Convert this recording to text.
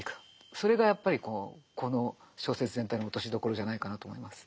それがやっぱりこの小説全体の落としどころじゃないかなと思います。